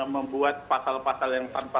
membuat pasal pasal yang tanpa